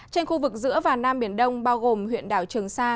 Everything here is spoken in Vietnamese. trên khu vực giữa và nam biển đông bao gồm huyện đảo trường sa